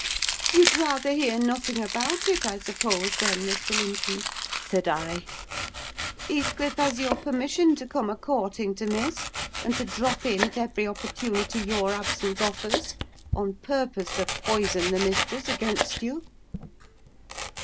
"You'd rather hear nothing about it, I suppose, then, Mr. Linton?" said I. "Heathcliff has your permission to come a courting to Miss, and to drop in at every opportunity your absence offers, on purpose to poison the mistress against you?"